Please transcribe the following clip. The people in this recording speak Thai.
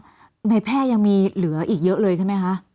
อ้าวแต่แพร่ยังมีเหลืออีกเยอะเลยใช่ไหมฮะ